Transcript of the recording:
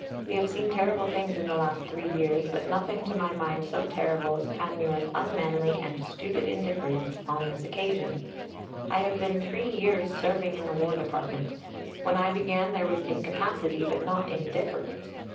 We have seen terrible things in the last 3 years, but nothing to my mind so terrible as Panmure's unmanly and stupid indifference on this occasion! I have been three years "serving in" the War Department. When I began, there was incapacity, but not indifference.